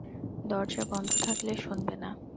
দরজা বন্ধ থাকলে শুনবে না।